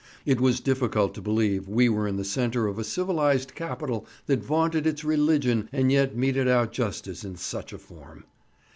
It was difficult to believe we were in the centre of a civilised capital that vaunted its religion and yet meted out justice in such a form.